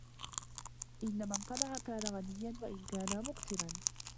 إنَّ مَنْ قَنَعَ كَانَ غَنِيًّا وَإِنْ كَانَ مُقْتِرًا